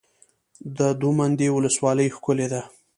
د دوه منده ولسوالۍ ښکلې ده